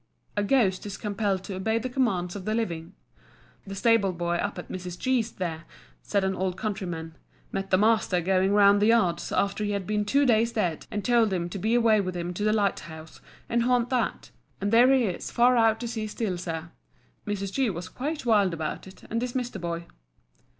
A Ghost is compelled to obey the commands of the living. "The stable boy up at Mrs. G 's there," said an old countryman, "met the master going round the yards after he had been two days dead, and told him to be away with him to the lighthouse, and haunt that; and there he is far out to sea still, sir. Mrs. G was quite wild about it, and dismissed the boy."